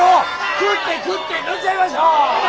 食って食って飲んじゃいましょう！